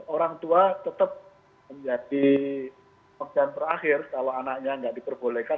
orang tua tetap menjadi pekerjaan terakhir kalau anaknya tidak diperbolehkan